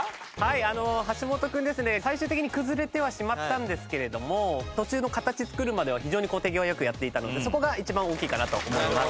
最終的に崩れてはしまったんですけれども途中の形作るまでは非常に手際良くやっていたのでそこが一番大きいかなと思います。